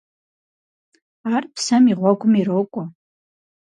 Ар псэм и гъуэгум ирокӀуэ.